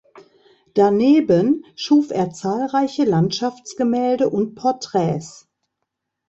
Daneben schuf er zahlreiche Landschaftsgemälde und Porträts.